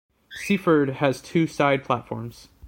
Seaford has two side platforms.